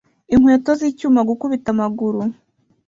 inkweto zicyuma gukubita amaguru